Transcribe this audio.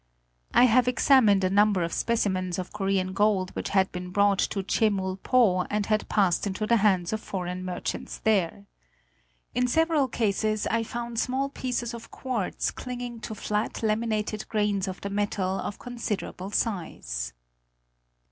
I have examined a number of specimens of Korean gold which had been brought to Che mul po and had passed into the hands of foreign merchants there. In several cases I found small pieces of quartz clinging to flat laminated grains of the metal of con siderable size.